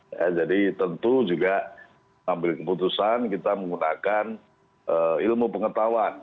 ya jadi tentu juga ngambil keputusan kita menggunakan ilmu pengetahuan